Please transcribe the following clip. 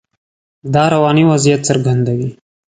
دا رواني وضعیت څرګندوي.